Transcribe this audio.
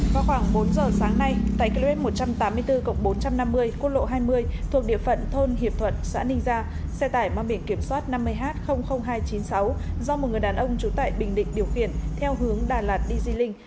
vào khoảng bốn giờ sáng nay tại km một trăm tám mươi bốn bốn trăm năm mươi cô lộ hai mươi thuộc địa phận thôn hiệp thuận xã ninh gia xe tải mang biển kiểm soát năm mươi h hai trăm chín mươi sáu do một người đàn ông trú tại bình định điều khiển theo hướng đà lạt đi di linh